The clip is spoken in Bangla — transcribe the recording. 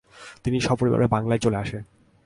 তিনি সপরিবারে বাংলায় চলে আসেন।